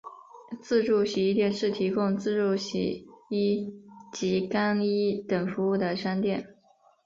自助洗衣店是提供自助洗衣及干衣等服务的商店。